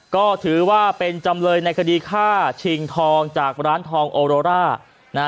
ก็ถือว่าเป็นจำเลยในคดีฆ่าชิงทองจากร้านทองโอโรล่านะฮะ